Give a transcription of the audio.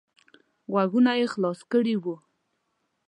غوږونه یې خلاص کړي وو.